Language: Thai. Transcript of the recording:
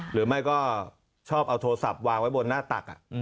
หรือไม่ก็ชอบเอาโทรศัพท์วางไว้บนหน้าตัก